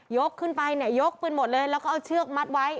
ยกขึ้นไปยกปึนหมดเลยแล้วก็เอาเชือกมัดไว้